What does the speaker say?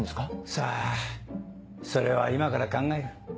さぁそれは今から考える。